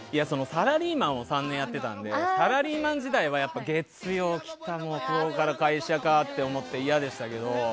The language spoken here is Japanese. サラリーマン３年やっていたのでサラリーマン時代は月曜来たらまた会社かって思って嫌でしたけど。